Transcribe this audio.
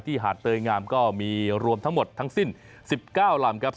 หาดเตยงามก็มีรวมทั้งหมดทั้งสิ้น๑๙ลำครับ